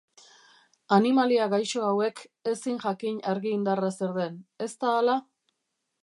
Animalia gaixo hauek ezin jakin argi-indarra zer den, ez da hala?